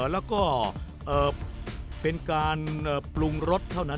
แล้วก็เป็นการปรุงรสเท่านั้น